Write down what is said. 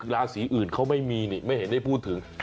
ราศีอื่นเขาไม่มีนี่ไม่เห็นได้พูดถึง